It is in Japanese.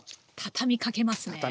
畳みかけますね！